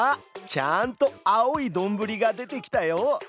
ちゃんと青いどんぶりが出てきたよ。